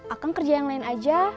akan kerja yang lain aja